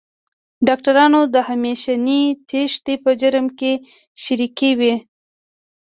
ډاکټرانو د همېشنۍ تېښتې په جرم کې شریکې وې.